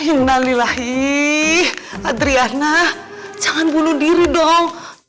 innalilahi adriana jangan bunuh diri dong